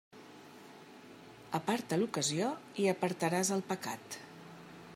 Aparta l'ocasió i apartaràs el pecat.